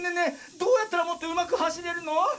どうやったらもっとうまくはしれるの？